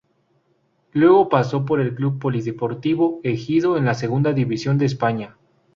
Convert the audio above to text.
Luego pasó por el Club Polideportivo Ejido en la Segunda División de España.